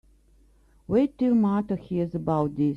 Wait till Martha hears about this.